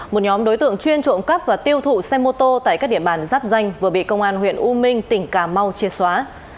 một nhóm đối tượng chuyên trộm cắp và tiêu thụ xe mô tô tại các địa bàn giáp danh vừa bị công an huyện u minh tỉnh cà mau triệt xóa